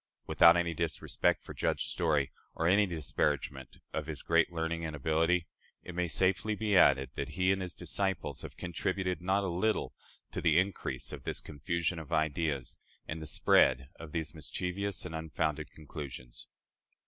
Without any disrespect for Judge Story, or any disparagement of his great learning and ability, it may safely be added that he and his disciples have contributed not a little to the increase of this confusion of ideas and the spread of these mischievous and unfounded conclusions.